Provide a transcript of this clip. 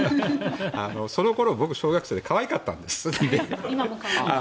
そのころ、僕小学生で可愛かったんです。